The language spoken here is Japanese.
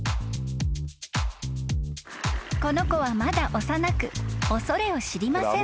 ［この子はまだ幼く恐れを知りません］